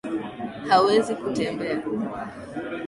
Hawezi kutembea